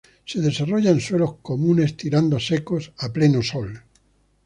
Se desarrolla en suelos comunes tirando a secos, a pleno sol.